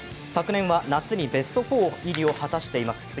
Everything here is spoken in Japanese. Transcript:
昨年は夏にベスト４入りを果たしています。